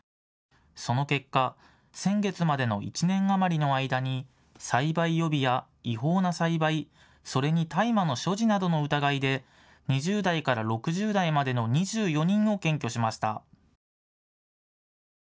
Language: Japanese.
その結果、先月までの１年余りの間に栽培予備や違法な栽培、それに大麻の所持などの疑いで２０代から６０代までの２４人を検挙しました。